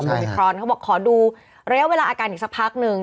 มิครอนเขาบอกขอดูระยะเวลาอาการอีกสักพักนึง